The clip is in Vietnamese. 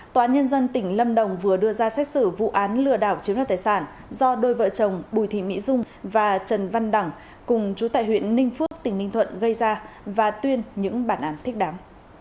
tòa án nhân dân tỉnh lâm đồng vừa đưa ra xét xử vụ án lừa đảo chiếm đoạt tài sản do đôi vợ chồng bùi thị mỹ dung và trần văn đẳng cùng chú tại huyện ninh phước tỉnh ninh thuận gây ra và tuyên những bản án thích đáng